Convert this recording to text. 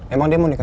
emang dia mau nikah